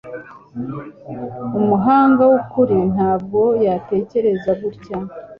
Umuhanga wukuri ntabwo yatekereza gutya